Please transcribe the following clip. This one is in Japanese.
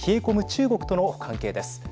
中国との関係です。